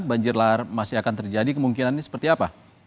banjir lahar masih akan terjadi kemungkinan ini seperti apa